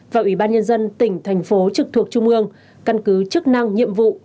và ủy ban nhân dân tỉnh thành phố trực thuộc trung ương căn cứ chức năng nhiệm vụ